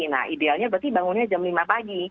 nah idealnya berarti bangunnya jam lima pagi